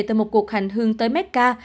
từ một cuộc hành hương tới mecca